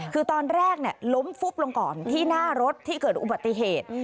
คือตอนแรกล้มฟุบลงก่อนที่หน้ารถที่เกิดอุบัติเหตุ